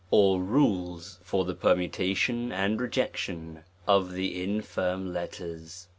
Or Rules for the permutation and rejection of the infirm letters.